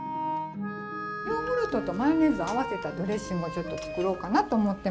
ヨーグルトとマヨネーズを合わせたドレッシングをちょっと作ろうかなと思ってます。